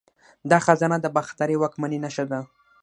دا خزانه د باختري واکمنۍ نښه ده